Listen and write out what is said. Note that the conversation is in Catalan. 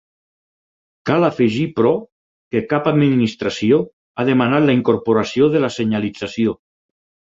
Cal afegir però, que cap administració ha demanat la incorporació de la senyalització.